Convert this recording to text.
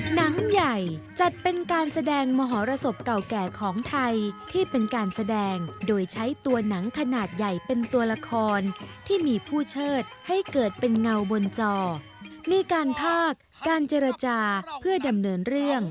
หนังใหญ่จัดเป็นการแสดงมหรสบเก่าแก่ของไทยที่เป็นการแสดงโดยใช้ตัวหนังขนาดใหญ่เป็นตัวละครที่มีผู้เชิดให้เกิดเป็นเงาบนจอมีการพากการเจรจาเพื่อดำเนินเรื่อง